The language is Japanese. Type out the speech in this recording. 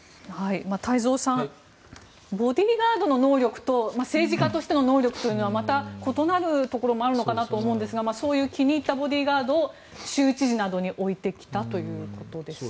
太蔵さんボディーガードの能力と政治家としての能力というのはまた異なるところもあるのかなと思うんですがそういう気に入ったボディーガードを州知事などに置いてきたということです。